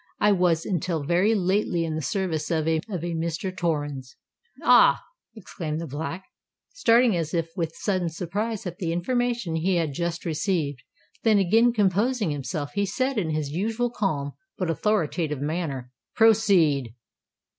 I was until very lately in the service of a Mr. Torrens——" "Ah!" exclaimed the Black, starting as if with sudden surprise at the information he had just received: then, again composing himself, he said in his usual calm, but authoritative manner, "Proceed."